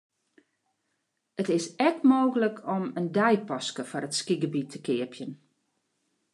It is ek mooglik om in deipaske foar it skygebiet te keapjen.